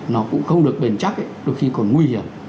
nó cũng không được bền chắc đôi khi còn nguy hiểm